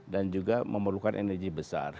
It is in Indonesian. dan juga memerlukan energi besar